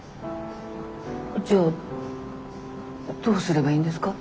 じゃどうすればいいんですか？